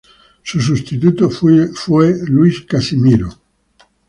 Su sustituto fue Luis Casimiro.